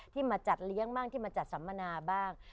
มาจัดเลี้ยงบ้างที่มาจัดสัมมนาบ้าง